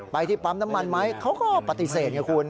ไปที่ปั๊มน้ำมันไหมเขาก็ปฏิเสธไงคุณ